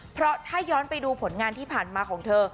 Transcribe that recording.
เพราะถ้าย้อนไปดูผลงานที่ผ่านมาของเธอ